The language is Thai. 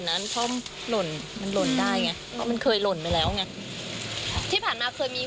แล้วบทิศก็แผดหูปิดอะไรอย่างนี้